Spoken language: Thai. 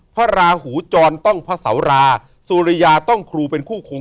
พระราหูจรต้องพระเสาราสุริยาต้องครูเป็นคู่คง